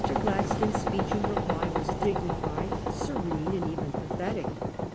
Gladstone's speech in reply was dignified, serene, and even pathetic.